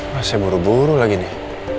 mas saya buru buru lagi nih